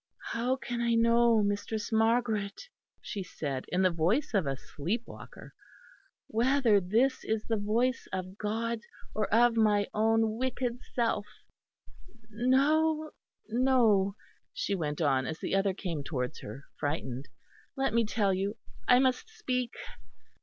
"How can I know, Mistress Margaret," she said, in the voice of a sleep walker, "whether this is the voice of God or of my own wicked self? No, no," she went on, as the other came towards her, frightened, "let me tell you. I must speak."